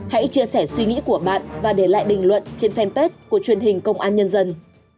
hãy chia sẻ suy nghĩ của bạn và để lại bình luận trên fanpage của truyền hình công an nhân dân